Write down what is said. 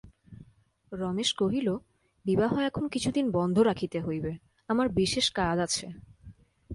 রমেশ কহিল, বিবাহ এখন কিছুদিন বন্ধ রাখিতে হইবে–আমার বিশেষ কাজ আছে।